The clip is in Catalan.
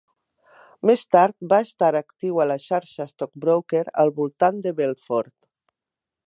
Més tard va estar actiu a la xarxa Stockbroker al voltant de Belfort.